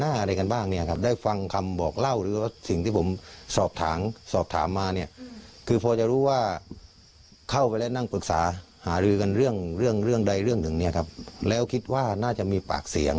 อะไรกันบ้างเนี่ยครับได้ฟังคำบอกเล่าหรือว่าสิ่งที่ผมสอบถามสอบถามมาเนี่ยคือพอจะรู้ว่าเข้าไปแล้วนั่งปรึกษาหารือกันเรื่องเรื่องใดเรื่องหนึ่งเนี่ยครับแล้วคิดว่าน่าจะมีปากเสียง